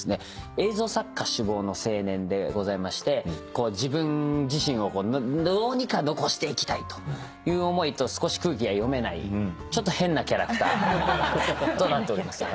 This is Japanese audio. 映像作家志望の青年でございまして自分自身をどうにか残していきたいという思いと少し空気が読めないちょっと変なキャラクターとなっております。